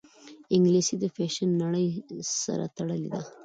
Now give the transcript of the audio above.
انګلیسي د فیشن نړۍ سره تړلې ده